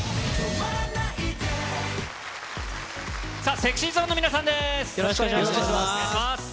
ＳｅｘｙＺｏｎｅの皆さんです。